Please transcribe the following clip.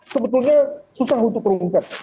sebetulnya susah untuk terungkap